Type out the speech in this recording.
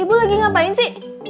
ibu lagi ngapain sih